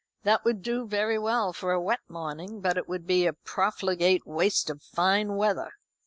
"That would do very well for a wet morning, but it would be a profligate waste of fine weather.